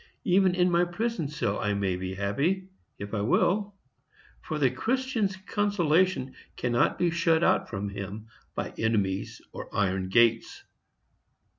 Even in my prison cell I may be happy, if I will. For the Christian's consolation cannot be shut out from him by enemies or iron gates.